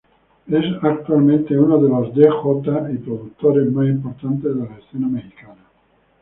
Es actualmente uno de los djʼs y productores más importantes de la escena mexicana.